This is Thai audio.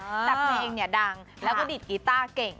แต่เพลงเนี่ยดังแล้วก็ดีดกีต้าเก่ง